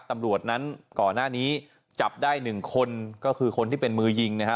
ตำรวจนั้นก่อนหน้านี้จับได้หนึ่งคนก็คือคนที่เป็นมือยิงนะฮะ